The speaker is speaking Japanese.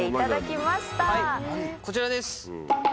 こちらです。